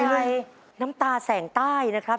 เพลงใหญ่น้ำตาแสงใต้นะครับ